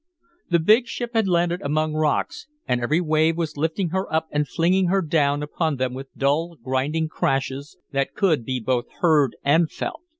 The big ship had landed among rocks, and every wave was lifting her up and flinging her down upon them with dull, grinding crashes that could be both heard and felt.